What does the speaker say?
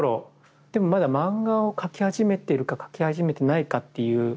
でもまだ漫画を描き始めてるか描き始めてないかっていう。